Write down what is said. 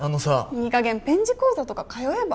いいかげんペン字講座とか通えば？